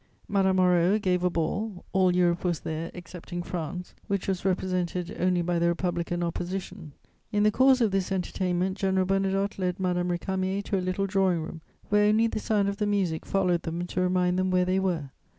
Madame Moreau gave a ball: all Europe was there, excepting France, which was represented only by the Republican Opposition. In the course of this entertainment, General Bernadotte led Madame Récamier to a little drawing room where only the sound of the music followed them to remind them where they were.